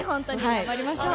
頑張りましょう。